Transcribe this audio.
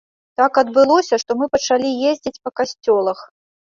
Так адбылося, што мы пачалі ездзіць па касцёлах.